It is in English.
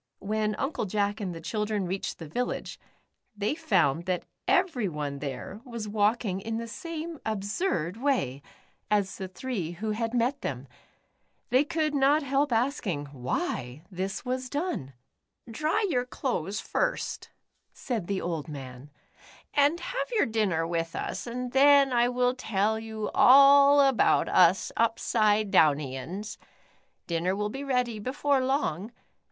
When Uncle Jack and the children reached the village, they found that everyone there was walk ing in the same absurd way, as the three who had The Upsidedownians. 153 met them. They could not help asking why this was done. "Dry your clothes first," said the old man, *' and have your dinner with us, and then I will tell you all about us Upsidedownians. Dinner will be ready before long.